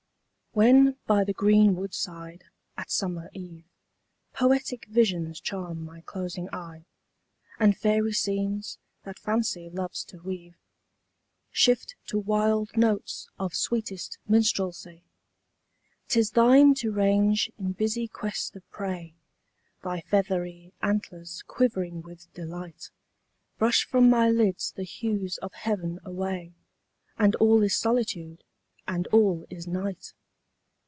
When by the green wood side, at summer eve, Poetic visions charm my closing eye; And fairy scenes, that Fancy loves to weave, Shift to wild notes of sweetest Minstrelsy; 'Tis thine to range in busy quest of prey, Thy feathery antlers quivering with delight, Brush from my lids the hues of heav'n away, And all is Solitude, and all is Night!